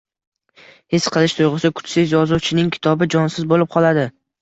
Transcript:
His qilish tuyg‘usi kuchsiz yozuvchining kitobi jonsiz bo‘lib qoladi.